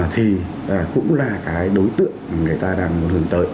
thì cũng là cái đối tượng mà người ta đang muốn hướng tới